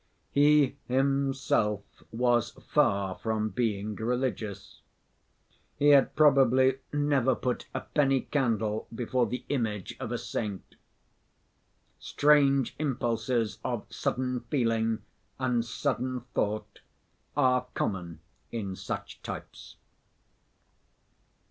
He himself was far from being religious; he had probably never put a penny candle before the image of a saint. Strange impulses of sudden feeling and sudden thought are common in such types.